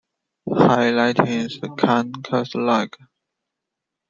High latency can cause lag.